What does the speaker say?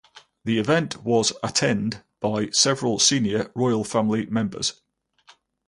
The event was attend by several senior Royal Family members.